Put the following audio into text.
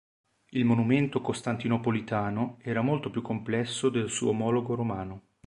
Il monumento costantinopolitano era molto più complesso del suo omologo romano.